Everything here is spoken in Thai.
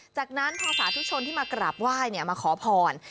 จากนั้นพอสาธุชนที่มากราบไหว้มาขอพร